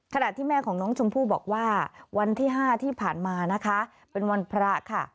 ขณะที่แม่ของน้องชมพู่บอกว่าวันที่๕ที่ผ่านมานะคะเป็นวันพระค่ะ